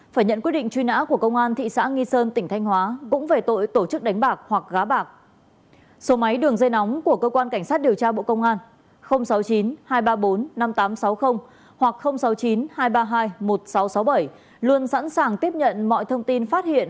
xin chào các bạn